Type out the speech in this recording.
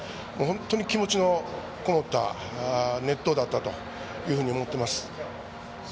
本当に気持ちのこもった熱投だったというふうに思ってます。